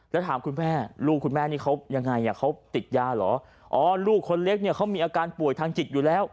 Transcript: แล้วถามคุณแม่ลูกคุณแม่นี่เขายังไงเขาติดยาเหรออ๋อลูกคนเล็กเนี่ยเขามีอาการป่วยทางจิตอยู่แล้ว